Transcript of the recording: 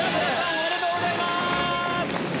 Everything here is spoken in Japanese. おめでとうございます！